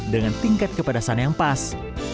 dengan tingkat kepedasan yang pas